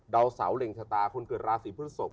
ดาวเสาเหล่งชะตาคนเกิดราสิเพื่อศพ